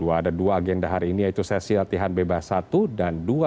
ada dua agenda hari ini yaitu sesi latihan bebas satu dan dua